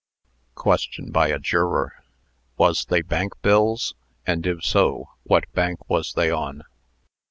QUESTION BY A JUROR. "Wos they bank bills; and, if so, what bank wos they on?"